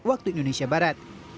waktu indonesia barat